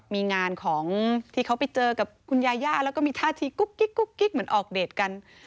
มีงานของที่เขาไปเจอกับคุณยาย่าแล้วก็มีท่าทีกุ๊กกิ๊กเหมือนออกเดทกัน